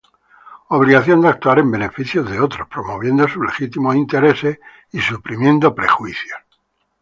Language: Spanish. Obligación de actuar en beneficio de otros, promoviendo sus legítimos intereses y suprimiendo prejuicios.